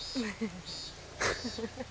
ハハハ。